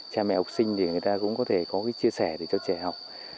cha mẹ học sinh thì người ta cũng có thể chia sẻ cho trẻ học